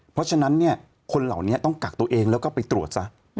เพราะฉะนั้นคนเหล่านี้ต้องกักตัวเองแล้วก็ไปตรวจซะ